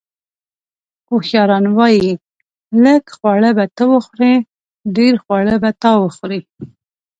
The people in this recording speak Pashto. اوښیاران وایي: لږ خواړه به ته وخورې، ډېر خواړه به تا وخوري.